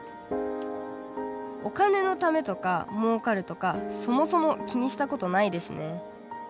お金のためとかもうかるとかそもそも気にしたことないですね。